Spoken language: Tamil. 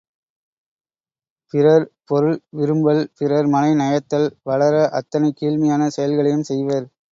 பிறர் பொருள் விரும்பல், பிறர் மனை நயத்தல், வளர அத்தனை கீழ்மையான செயல்களையும் செய்வர்.